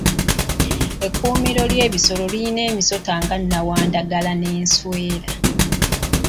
Ekkuumiro ly'ebisolo lirina emisota nga nnawandagala n'enswera.